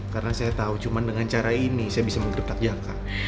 karena saya tahu cuma dengan cara ini saya bisa menggertak jangka